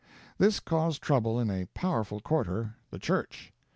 This caused trouble in a powerful quarter the church.